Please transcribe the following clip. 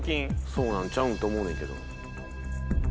そうなんちゃうんって思うねんけど。